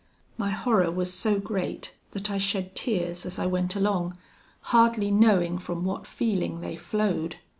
"My horror was so great, that I shed tears as I went along, hardly knowing from what feeling they flowed.